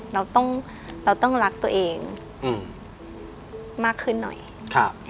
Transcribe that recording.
เราต้องเราต้องรักตัวเองอืมมากขึ้นหน่อยครับ